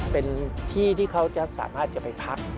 เป็นที่ที่เขาจะสามารถจะไปพัก